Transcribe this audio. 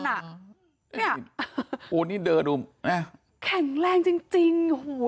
นี่เดินดูแข็งแรงจริง